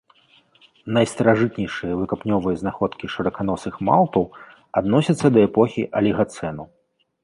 Найстаражытнейшыя выкапнёвыя знаходкі шыраканосых малпаў адносяцца да эпохі алігацэну.